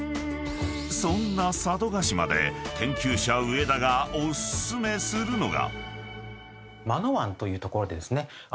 ［そんな佐渡島で研究者上田がお薦めするのが］